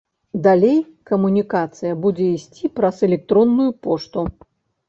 Далей камунікацыя будзе ісці праз электронную пошту.